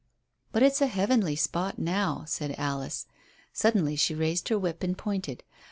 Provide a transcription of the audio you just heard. "But it's a heavenly spot now," said Alice. Suddenly she raised her whip and pointed.